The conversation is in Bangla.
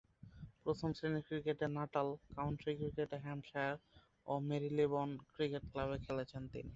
প্রথম-শ্রেণীর ক্রিকেটে নাটাল, কাউন্টি ক্রিকেটে হ্যাম্পশায়ার ও মেরিলেবোন ক্রিকেট ক্লাবে খেলেছেন তিনি।